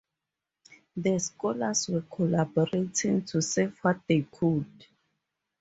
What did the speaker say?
The scholars were collaborating to save what they could.